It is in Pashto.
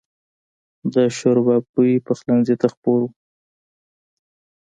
د شوربه بوی پخلنځي ته خپور و.